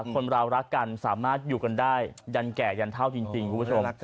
คนเรารักกันสามารถอยู่กันได้ยันแก่ยันเท่าจริงคุณผู้ชม